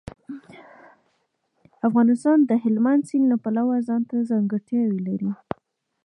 افغانستان د هلمند سیند له پلوه ځانته ځانګړتیاوې لري.